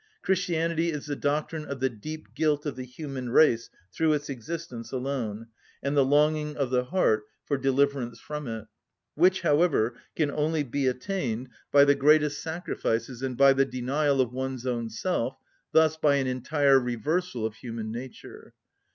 Christianity is the doctrine of the deep guilt of the human race through its existence alone, and the longing of the heart for deliverance from it, which, however, can only be attained by the greatest sacrifices and by the denial of one's own self, thus by an entire reversal of human nature.